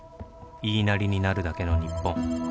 「言いなりになるだけの日本」